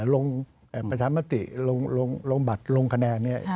ลงประชามติลงบัตรลงคะแนนเนี่ย